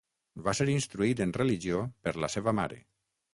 Va ser instruït en religió per la seva mare.